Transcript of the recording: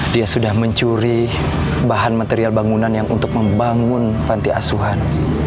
dia sudah mencuri bahan material bangunan yang untuk membangun panti asuhan